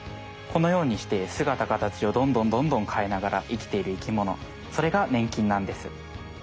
このようにしてすがた形をどんどんどんどんかえながら生きている生きものそれがねん菌なんです。